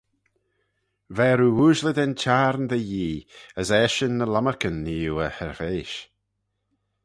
Ver oo ooashley da'n çhiarn dty Yee, as eshyn ny lomarcan nee oo y hirveish.